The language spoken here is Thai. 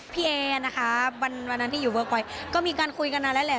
พี่แอนนะคะวันวันนั้นที่อยู่เวิร์คไว้ก็มีการคุยกันนั้นแล้วแหละ